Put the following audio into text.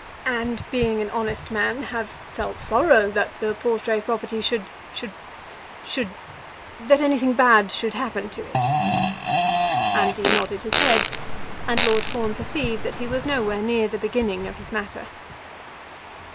"And being an honest man, have felt sorrow that the Portray property should should should ; that anything bad should happen to it." Andy nodded his head, and Lord Fawn perceived that he was nowhere near the beginning of his matter.